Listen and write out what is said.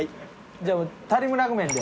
じゃあタリムラグメンで。